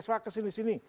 mas sby kesini sini